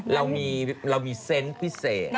เรามีเซนต์พิเศษ